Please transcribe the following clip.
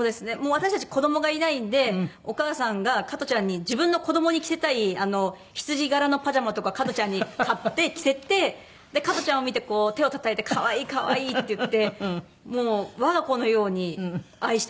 私たち子どもがいないんでお母さんが加トちゃんに自分の子どもに着せたい羊柄のパジャマとか加トちゃんに買って着せて加トちゃんを見て手をたたいて「可愛い！可愛い！」って言ってもう我が子のように愛してますお母さんも。